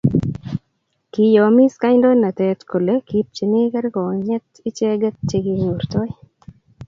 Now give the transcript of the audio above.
kiyomiss kaindoinatet kole kipchini kergonyet icheget che kinyortoi